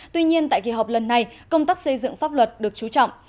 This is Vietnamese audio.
tuy nhiên tại kỳ họp lần này công tác xây dựng pháp luật được chú trọng